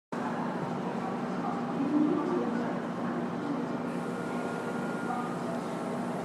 Nan ṭuang a nar tuk caah ka naal deng.